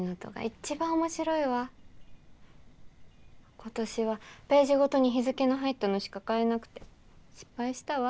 今年はページごとに日付の入ったのしか買えなくて失敗したわ。